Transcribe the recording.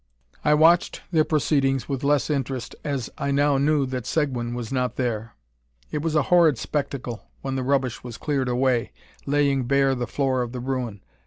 I watched their proceeding's with less interest, as I now knew that Seguin was not there. It was a horrid spectacle when the rubbish was cleared away, laying bare the floor of the ruin.